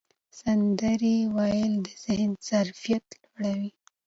سندرې ویل د ذهن ظرفیت لوړوي.